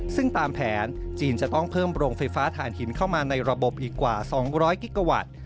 ซึ่งตามแผนจีนจะต้องเพิ่มโรงไฟฟ้าฐานหินเข้ามาในระบบอีกกว่า๒๐๐กิกาวัตต์